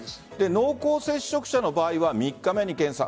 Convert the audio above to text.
濃厚接触者の場合は３日目に検査。